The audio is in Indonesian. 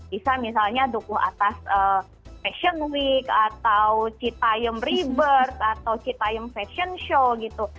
bisa misalnya dukuh atas fashion week atau citaion rebirth atau citaion fashion show gitu